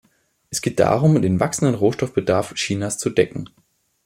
Es geht darum, den wachsenden Rohstoffbedarf Chinas zu decken.